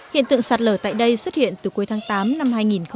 hiện tượng sạt lở tại đây xuất hiện từ cuối tháng tám năm hai nghìn một mươi chín